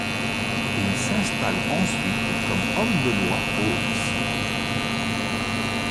Il s'installe ensuite comme homme de loi aux Riceys.